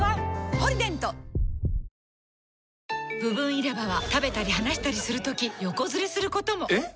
「ポリデント」部分入れ歯は食べたり話したりするとき横ずれすることも！えっ！？